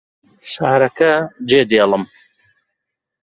شارەکە جێدێڵم.